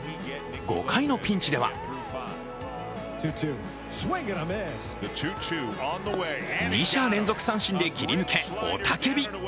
５回のピンチでは２者連続三振で切り抜け、雄叫び。